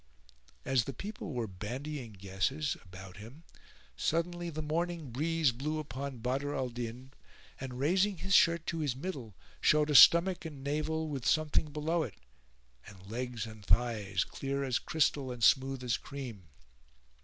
As the people were bandying guesses about him suddenly the morning breeze blew upon Badr al Din and raising his shirt to his middle showed a stomach and navel with something below it, [FN#433] and legs and thighs clear as crystal and smooth as cream.